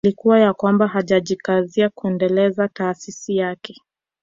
Ilikuwa ya kwamba hajajikazia kuendeleza taasisi yake